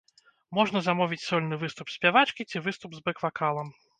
Можна замовіць сольны выступ спявачкі ці выступ з бэк-вакалам.